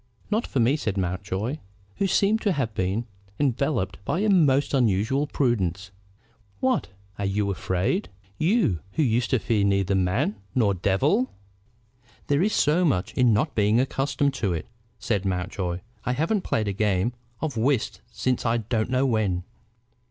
"Not for me," said Mountjoy, who seemed to have been enveloped by a most unusual prudence. "What! are you afraid, you who used to fear neither man nor devil?" "There is so much in not being accustomed to it," said Mountjoy. "I haven't played a game of whist since I don't knew when."